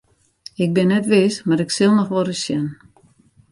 Ik bin net wis mar ik sil noch wolris sjen.